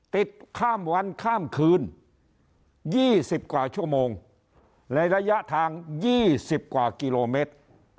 ติดตามวันข้ามคืน๒๐กว่าชั่วโมงในระยะทาง๒๐กว่ากิโลเมตร